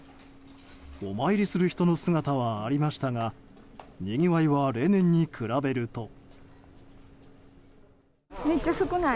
お参りする人の姿はありましたがにぎわいは例年に比べると。